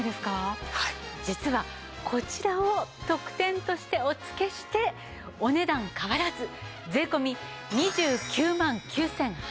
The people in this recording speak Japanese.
実はこちらを特典としてお付けしてお値段変わらず税込２９万９８００円です。